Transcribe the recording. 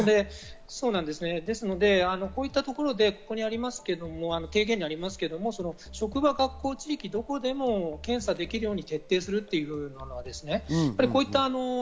ですので、こういったところでここにありますけど、提言にありますけど、職場、学校、地域、どこでも検査ができるよう徹底するということ。